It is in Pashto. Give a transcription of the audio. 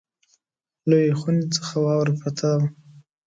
لویې خونې څخه واوره پرته وه.